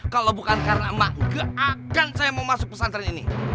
kalau bukan karena maka akan saya mau masuk pesantren ini